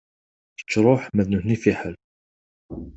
Kečč ṛuḥ ma d nutni fiḥel.